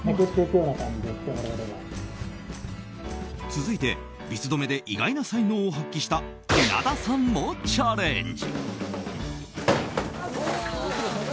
続いて、ビス留めで意外な才能を発揮した稲田さんもチャレンジ。